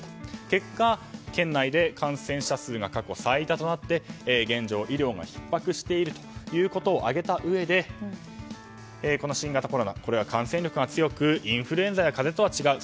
結果、県内で感染者数が過去最多となって現状、医療がひっ迫しているということを挙げたうえで、この新型コロナこれは感染力が強くインフルエンザや風邪とは違う。